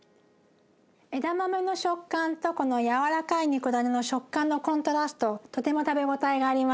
枝豆の食感とこの軟らかい肉だねの食感のコントラストとても食べ応えがあります。